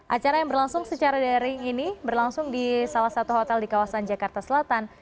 acara yang berlangsung secara daring ini berlangsung di salah satu hotel di kawasan jakarta selatan